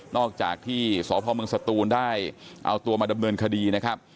อกจากที่สพมสตูนได้เอาตัวมาดำเนินคดีนะครับ